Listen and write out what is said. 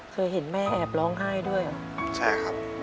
เคยเห็นแม่แอบร้องไห้ด้วยเหรอใช่ครับ